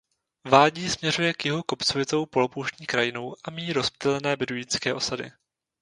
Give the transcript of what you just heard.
Vádí směřuje k jihu kopcovitou polopouštní krajinou a míjí rozptýlené beduínské osady.